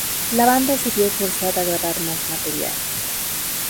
La banda se vio forzada a grabar más material.